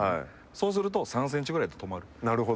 そうすると３ｃｍぐらいで止まるの。